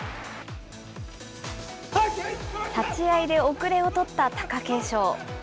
立ち合いで遅れを取った貴景勝。